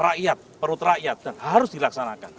rakyat perut rakyat dan harus dilaksanakan